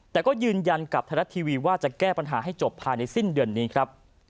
แต่ก็ยืนยันกับไทยรัฐทีวีว่าจะแก้ปัญหาให้จบภายในสิ้นเดือนนี้ครับ